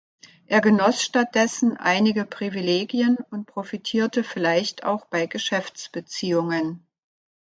Er genoss stattdessen einige Privilegien und profitierte vielleicht auch bei Geschäftsbeziehungen.